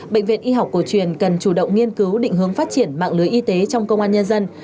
bệnh viện y học cổ truyền cần chủ động nghiên cứu định hướng phát triển mạng lưới y tế trong công an nhân dân